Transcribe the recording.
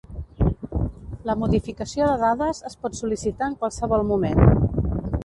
La modificació de dades es pot sol·licitar en qualsevol moment.